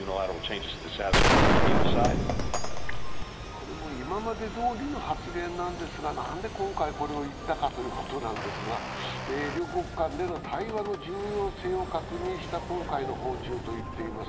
これも今までどおりの発言なんですが、なんで今回これを言ったかということなんですが、両国間での対話の重要性を確認した今回の訪中と言っています。